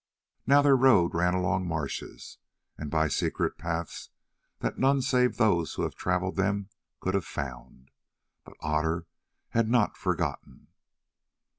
Now their road ran along marshes and by secret paths that none save those who had travelled them could have found. But Otter had not forgotten.